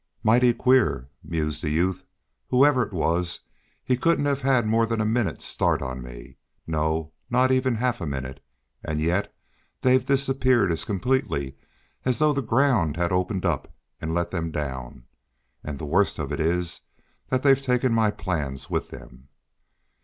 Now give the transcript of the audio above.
"Mighty queer," mused the youth. "Whoever it was, he couldn't have had more than a minute start of me no, not even half a minute and yet they've disappeared as completely as though the ground had opened and let them down; and the worst of it is, that they've taken my plans with them!"